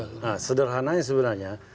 nah sederhananya sebenarnya